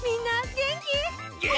げんき！